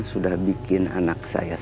sudah bikin anak saya